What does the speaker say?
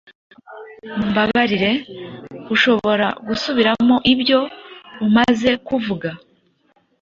Mumbabarire, ushobora gusubiramo ibyo umaze kuvuga?